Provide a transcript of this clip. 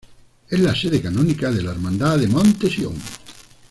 Es la sede canónica de la Hermandad de Monte-Sion.